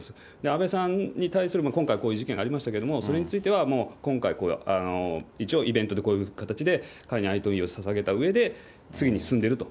安倍さんに対する今回、こういう事件ありましたけれども、それについてはもう、今回、一応、イベントで、こういう形で哀悼の意を彼に哀悼の意をささげたうえで次に進んでいると。